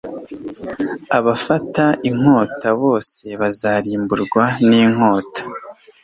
abafata inkota bose bazarimburwa n'inkota